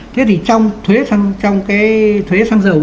thế thì trong cái thuế xăng dầu